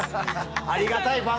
ありがたい番組。